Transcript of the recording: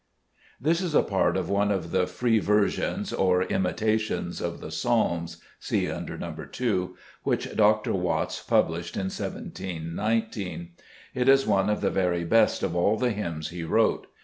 This is a part of one of the free versions or " Imita tions " of the Psalms (see under Xo. 2), which Dr. Watts published in 17 19. It is one of the very best of all the hymns he wrote.